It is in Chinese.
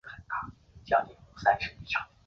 首府森孙特佩克。